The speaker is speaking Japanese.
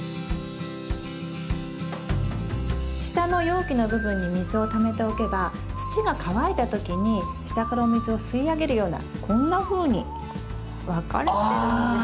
下の容器の部分に水をためておけば土が乾いた時に下からお水を吸い上げるようなこんなふうに分かれてるんです。